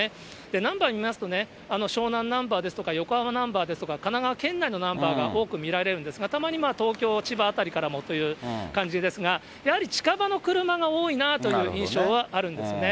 ナンバー見ますと、湘南ナンバーですとか、横浜ナンバーですとか、神奈川県内のナンバーが多く見られるんですが、たまに東京、千葉辺りからもという感じですが、やはり近場の車が多いなという印象はあるんですね。